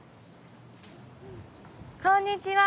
こんにちは。